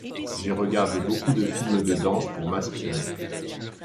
J’ai regardé beaucoup de films de danse pour m’inspirer.